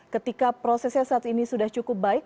ketika prosesnya saat ini sudah cukup baik